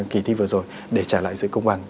kỳ thi vừa rồi để trả lại sự công bằng